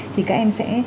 thì các em sẽ